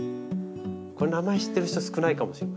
これ名前知ってる人少ないかもしれません。